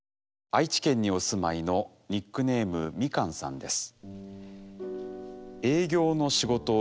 愛知県にお住まいのニックネームみかんさんです。